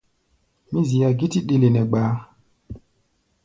Mí zia gítí ɗele nɛ gbaá.